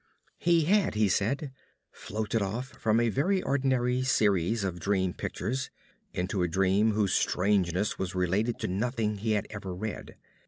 He had, he said, floated off from a very ordinary series of dream pictures into a scene whose strangeness was related to nothing he had ever read.